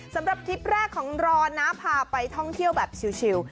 สำหรับทริปแรกของเรานะพาไปท่องเที่ยวแบบชิล